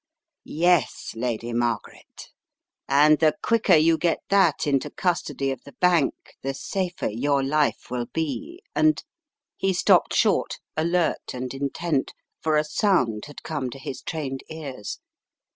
"Yes, Lady Margaret, and the quicker you get that into custody of the bank the safer your life will be, and " He stopped short, alert and intent, for a sound had come to his trained ears.